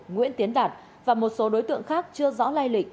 nguyễn tiến đạt và một số đối tượng khác chưa rõ lai lịch